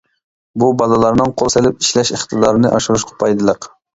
بۇ بالىلارنىڭ قول سېلىپ ئىشلەش ئىقتىدارىنى ئاشۇرۇشقا پايدىلىق.